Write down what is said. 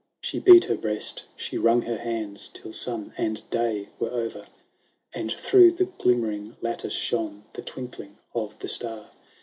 She beat her breast, she wrung her hands, Till sun and day were o'er, And through the glimmering lattice shone The twinkling of the star.